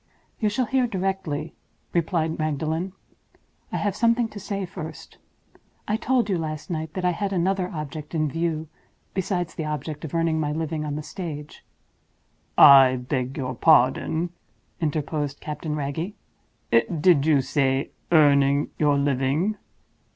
'" "You shall hear directly," replied Magdalen. "I have something to say first. I told you, last night, that I had another object in view besides the object of earning my living on the stage—" "I beg your pardon," interposed Captain Wragge. "Did you say, earning your living?"